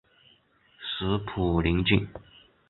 属晋陵郡。